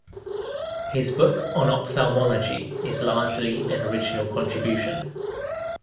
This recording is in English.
His book on ophthalmology is largely an original contribution.